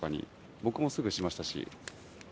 僕もすぐしましたし。